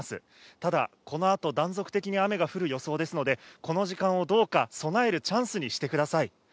ただ、このあと断続的に雨が降る予想ですので、この時間をどうか備えるチャンスにしてください。